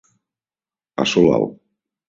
A sol alt.